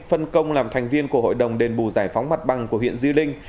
phân công làm thành viên của hội đồng đền bù giải phóng mặt bằng của huyện di linh